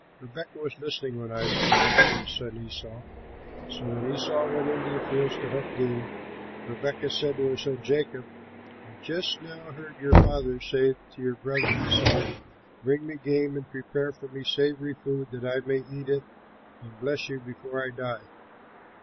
Rebekah was listening when Isaac spoke to his son Esau. So when Esau went into the fields to hunt game, Rebekah said to her son Jacob, "I just now heard your father say to your brother Esau, 'Bring me game and prepare for me savory food that I may eat it and bless you before I die.'